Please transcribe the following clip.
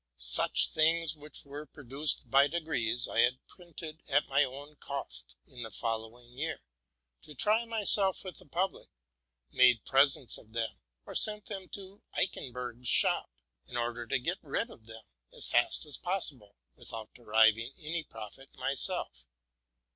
Such things, which were produced by degrees, I had printed at my own cost in the following year, to try myseif with the public; made presents of them, or sent them to Eichenberg's shop, in order to get rid of them as fast as possible, without deriving any profit myself.